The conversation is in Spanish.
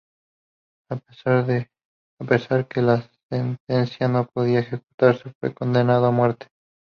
A pesar que la sentencia no podría ejecutarse, fue condenado a muerte.